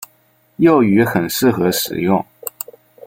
幼鱼很适合食用。